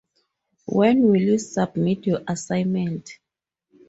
When will you submit your assignment?